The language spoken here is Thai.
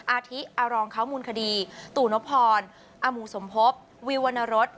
อาทิอารองเขามูลคดีตู่นพรอมูสมภพวิววรรณรส